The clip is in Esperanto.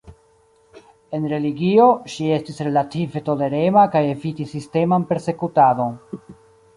En religio, ŝi estis relative tolerema kaj evitis sisteman persekutadon.